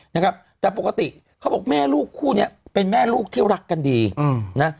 นะครับแต่ปกติเขาบอกแม่ลูกคู่นี้เป็นแม่ลูกที่รักกันดีอืมนะ